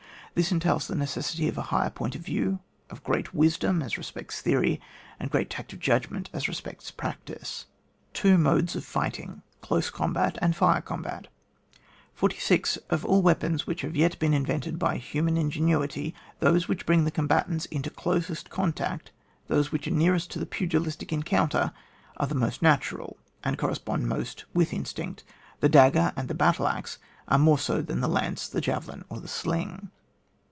This entails the neces sity of a higher point of view, of great wisdom as respects theory, and great tact of judgment as respects practice. Jhffo modes of Fighting — Chse Combat and Fire Combat. 46. Of all weapons which have yet been invented by human ingenuity, those which bring the combatants into closest contact, those which are nearest to the pugilistic encounter are the most natural, and correspond most with instinct. The dagger and the battle axe eire more so than the lance, the javelin, or the sling.